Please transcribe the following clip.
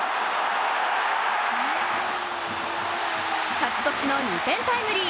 勝ち越しの２点タイムリー。